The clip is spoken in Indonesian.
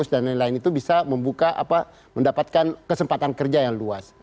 bisa setelah lulus dan lain lain itu bisa membuka apa mendapatkan kesempatan kerja yang luas